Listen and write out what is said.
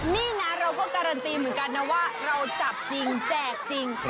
นี่นะเราก็การันตีเหมือนกันนะว่าเราจับจริงแจกจริง